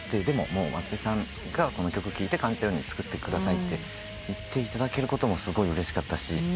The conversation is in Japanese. でも松居さんがこの曲聴いて感じたように作ってくださいと言っていただけることもすごいうれしかったし。